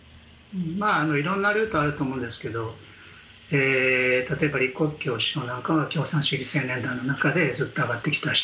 色んなルートがあると思うんですが例えば李克強首相なんかは共産主義青年団の中でずっと上がってきた人。